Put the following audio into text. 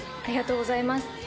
ありがとうございます。